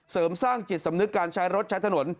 เสริมสร้างจิตสำนึกการใช้รถใช้ถนน